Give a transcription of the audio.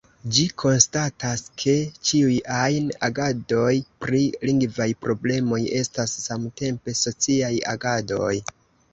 Ĝi konstatas, ke "ĉiuj ajn agadoj pri lingvaj problemoj estas samtempe sociaj agadoj".